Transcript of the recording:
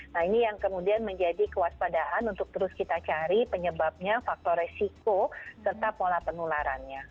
nah ini yang kemudian menjadi kewaspadaan untuk terus kita cari penyebabnya faktor resiko serta pola penularannya